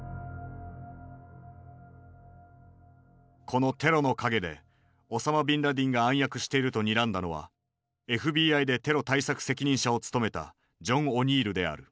このテロの陰でオサマ・ビンラディンが暗躍しているとにらんだのはＦＢＩでテロ対策責任者を務めたジョン・オニールである。